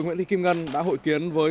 nguyễn thị kim ngân đã hội kiến với